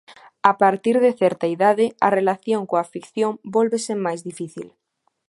A partir de certa idade a relación coa ficción vólvese máis difícil.